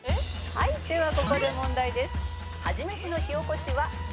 「はいではここで問題です」